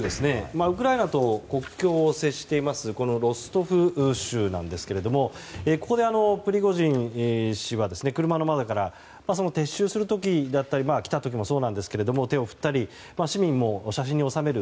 ウクライナと国境を接しているロストフ州なんですがここでプリゴジン氏は車の窓から撤収する時だったり来た時もそうなんですが手を振ったり市民も写真に収める。